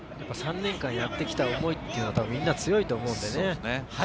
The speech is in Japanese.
３年間やってきた思いというのはみんな強いと思うんで。